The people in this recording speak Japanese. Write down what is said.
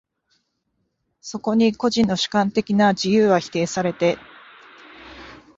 そこに個人の主観的な自由は否定されて、